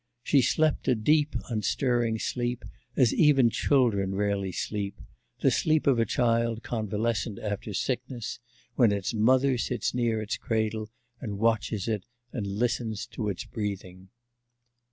She slept a deep, unstirring sleep, as even children rarely sleep the sleep of a child convalescent after sickness, when its mother sits near its cradle and watches it, and listens to its breathing.